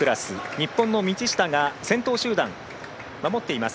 日本の道下が先頭集団を守っています。